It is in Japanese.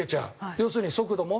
要するに速度も。